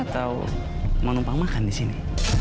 atau menumpang makan disini